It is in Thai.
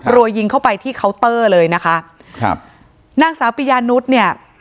ยิงเข้าไปที่เคาน์เตอร์เลยนะคะครับนางสาวปิยานุษย์เนี่ย